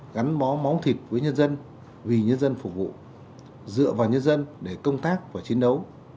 gắn bó máu thịt với nhân dân vì nhân dân phục vụ dựa vào nhân dân để công tác và chiến đấu